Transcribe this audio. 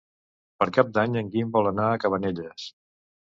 Per Cap d'Any en Guim vol anar a Cabanelles.